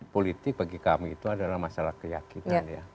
politik bagi kami itu adalah masalah keyakinan ya